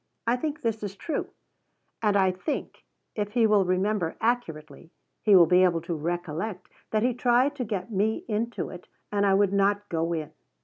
I think this is true; and I think, if he will remember accurately, he will be able to recollect that he tried to get me into it and I would not go in.